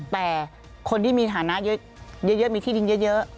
แต่คนที่มีฐานะเยอะมีที่ดินเยอะ